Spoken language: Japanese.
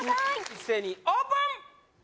一斉にオープン！